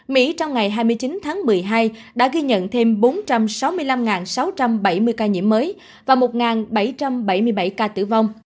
mỹ trong ngày hai mươi chín tháng một mươi hai đã ghi nhận thêm bốn trăm sáu mươi năm sáu trăm bảy mươi ca nhiễm mới và một bảy trăm bảy mươi bảy ca tử vong